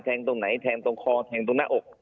ตรงไหนแทงตรงคอแทงตรงหน้าอก